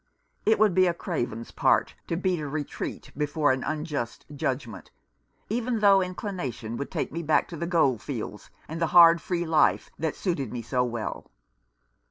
It would be a craven's part to beat a retreat before an unjust judgment, even though inclina tion would take me back to the gold fields and the hard free life that suited me so well.